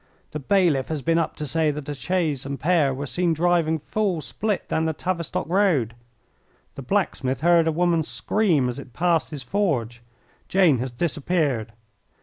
"The bailiff has been up to say that a chaise and pair were seen driving full split down the Tavistock Road. The blacksmith heard a woman scream as it passed his forge. Jane has disappeared.